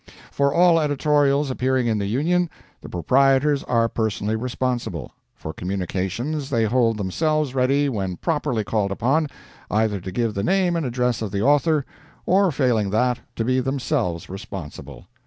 For all editorials appearing in the Union, the proprietors are personally responsible; for communications, they hold themselves ready, when properly called upon, either to give the name and address of the author, or failing that, to be themselves responsible.